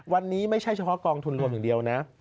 วันนี้ไม่ใช่เฉพาะกองทุนรวมอย่างเดียวนะ